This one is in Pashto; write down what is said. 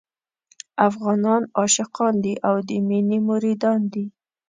افغانان عاشقان دي او د مينې مريدان دي.